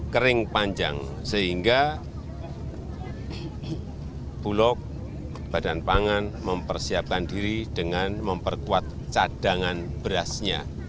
kering panjang sehingga bulog badan pangan mempersiapkan diri dengan memperkuat cadangan berasnya